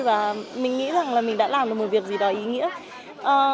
và mình nghĩ rằng là mình đã làm được một việc gì đó ý nghĩa